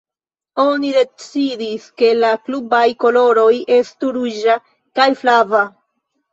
Oni decidis ke la klubaj koloroj estu ruĝa kaj flava.